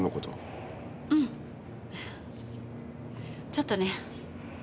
うんちょっとね。